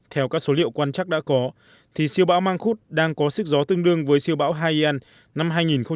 theo các số liệu quan chắc đã có thì siêu bão mangkut đang có sức gió tương đương với siêu bão haiyan năm hai nghìn một mươi ba